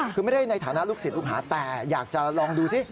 คือไม่ได้ในฐานะลูกศิษย์ลูกหาแต่อยากจะลองดูซิ